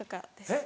えっ？